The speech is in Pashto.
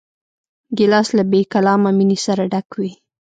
ګیلاس له بېکلامه مینې سره ډک وي.